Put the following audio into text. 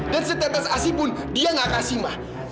dan setetas asipun dia nggak kasih mak